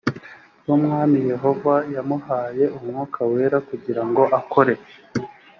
bw ubwami yehova yamuhaye umwuka wera kugira ngo akore